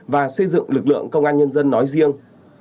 và xây dựng lực lượng công an nhân dân nói riêng